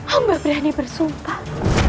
amba berani bersumpah